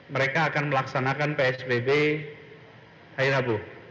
mereka akan melaksanakan psbb hairabu